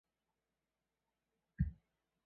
其他电视台播出时间详见周四剧场。